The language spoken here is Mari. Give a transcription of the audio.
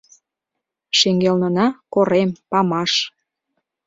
Шеҥгелнына — корем, памаш.